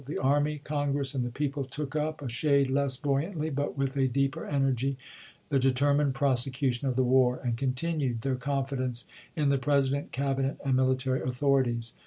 The army, Congress, and the people took up, a shade less buoyantly, but with a deeper energy, the determined prosecution of the war, and continued their confidence in the Presi dent, Cabinet, and military authorities.